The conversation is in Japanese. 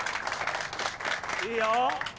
いいよ！